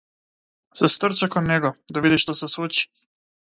Се стрча кон него да види што се случи.